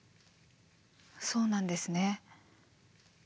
そうなんですね。